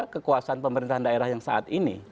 kekuasaan pemerintahan daerah yang saat ini